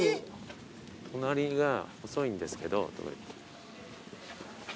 隣が細いんですけどとか。